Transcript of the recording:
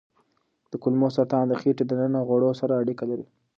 د کولمو سرطان د خېټې دننه غوړو سره اړیکه لري.